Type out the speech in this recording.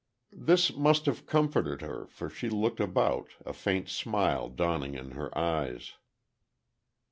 This must have comforted her, for she looked about, a faint smile dawning in her eyes.